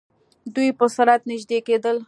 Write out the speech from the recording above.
دوئ په سرعت نژدې کېدل.